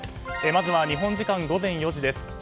まずは日本時間午前４時です。